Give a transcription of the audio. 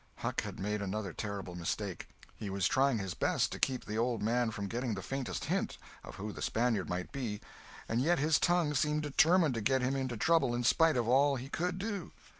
Huck had made another terrible mistake! He was trying his best to keep the old man from getting the faintest hint of who the Spaniard might be, and yet his tongue seemed determined to get him into trouble in spite of all he could do.